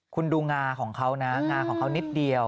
คุณดูงาของเขาซึ่งนิดเดียว